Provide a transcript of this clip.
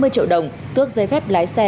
năm mươi triệu đồng tước giấy phép lái xe